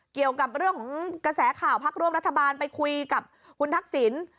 เกี่ยวกับเรื่องของกระแสข่าวพักร่วมรัฐบาลไปคุยกับคุณทักษิณ